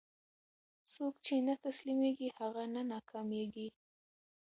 څوک چې نه تسلیمېږي، هغه نه ناکامېږي.